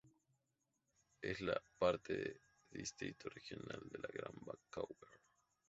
Es parte del Distrito Regional del Gran Vancouver.